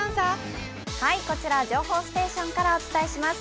こちら情報ステーションからお伝えします。